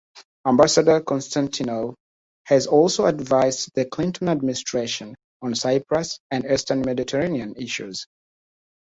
Ambassador Constantinou has also advised the Clinton Administration on Cyprus and Eastern Mediterranean issues.